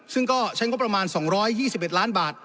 ซึ่งก็ใช้งบประมาณ๒๒๑ล้านบาท